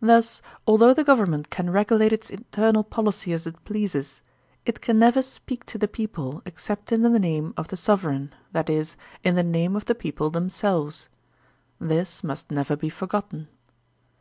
Thus, although the government can regulate its internal policy as it pleases, it can never speak to the people except ARISTOCRACY 6i in the name of the sovereign, that is, in the name of the people themselves. This must never be forgotten.